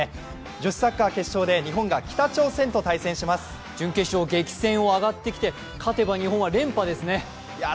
女子サッカー決勝で日本が北朝鮮と対戦します準決勝、激戦を上がってきて、勝てば日本、連覇ですね。